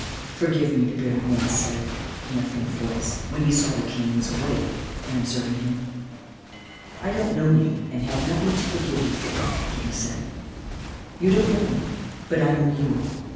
"Forgive me," the bearded man said in a faint voice, when he saw that the King was awake and observing him. "I don't know you and have nothing to forgive you for," the King said. "You don't know me, but I know you.